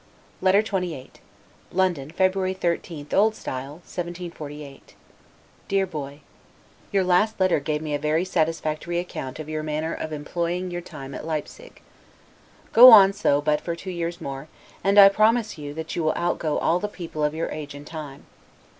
LETTER XXVIII LONDON, February 13, O. S. 1748 DEAR BOY: your last letter gave me a very satisfactory account of your manner of employing your time at Leipsig. Go on so but for two years more, and, I promise you, that you will outgo all the people of your age and time.